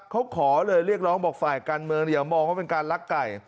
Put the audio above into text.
เขาขอเลยเรียกร้องบอกฝ่ายการเมืองอย่ามองว่าเป็นการลักไก่